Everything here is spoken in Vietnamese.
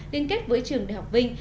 liên kết với trường đại học vinh